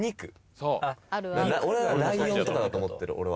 俺はライオンとかだと思ってる俺は。